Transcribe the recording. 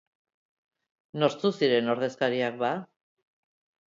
Nortzuk ziren ordezkariak, ba?